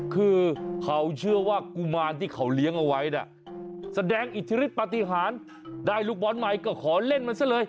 คือเขาเชื่อว่ากุมารที่เขาเลี้ยงเอาไว้นะแสดงอิทธิฤทธปฏิหารได้ลูกบอลใหม่ก็ขอเล่นมันซะเลย